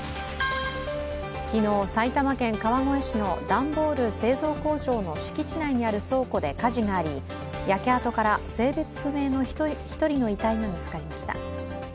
昨日、埼玉県川越市の段ボール製造工場の敷地内にある倉庫で火事であり、焼け跡から性別不明の１人の遺体が見つかりました。